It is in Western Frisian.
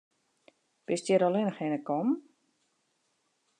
Bist hjir allinne hinne kommen?